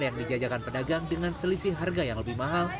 yang dijajakan pedagang dengan selisih harga yang lebih mahal